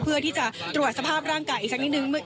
เพื่อที่จะตรวจสภาพร่างกายอีกสักนิดนึง